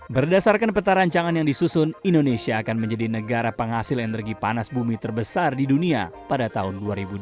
berdasarkan peta rancangan yang disusun indonesia akan menjadi negara penghasil energi panas bumi terbesar di dunia pada tahun dua ribu dua puluh